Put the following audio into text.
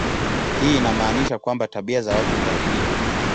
Hii inamaanisha kwamba tabia za watu hubadilika.